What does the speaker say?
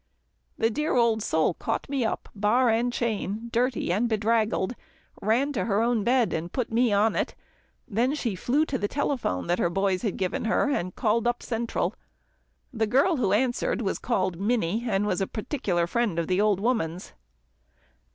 The dear old soul caught me up, bar and chain, dirty and bedraggled, ran to her own bed, and put me on it, then she flew to the telephone that her boys had given her, and called up central. The girl who answered was called Minnie, and was a particular friend of the old woman's.